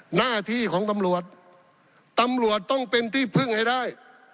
หน้าที่ของตำรวจตำรวจต้องเป็นที่พึ่งให้ได้